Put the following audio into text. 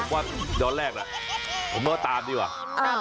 ว่าย้อนแรกล่ะผมว่าตามดีกว่า